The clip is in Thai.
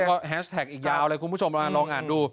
แล้วก็แฮชแท็กอีกยาวเลยคุณผู้ชมลองอ่านดู